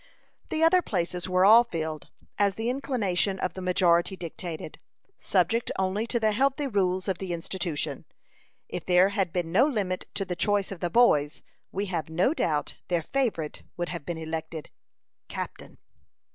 The other places were all filled, as the inclination of the majority dictated, subject only to the healthy rules of the Institute. If there had been no limit to the choice of the boys, we have no doubt their favorite would have been elected captain.